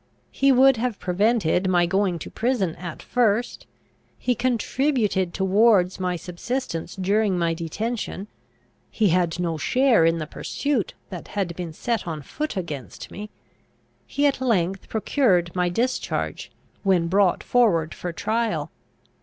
He would have prevented my going to prison at first; he contributed towards my subsistence during my detention; he had no share in the pursuit that had been set on foot against me; he at length procured my discharge, when brought forward for trial.